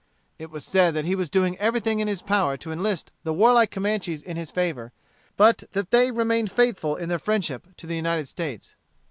It was said that he was doing everything in his power to enlist the warlike Comanches in his favor, but that they remained faithful in their friendship to the United States.